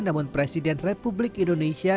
namun presiden republik indonesia